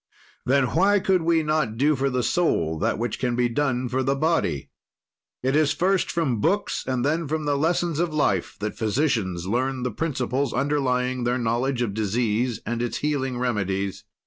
"Then why could we not do for the soul that which can be done for the body? "It is first from books, then from the lessons of life that physicians learn the principles underlying their knowledge of disease and its healing remedies.